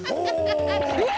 うわ！